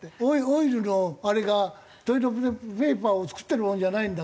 オイルのあれがトイレットペーパーを作ってるものじゃないんだけど。